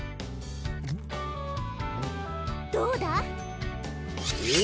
どうだ？